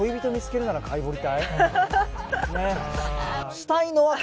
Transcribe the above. したいのは。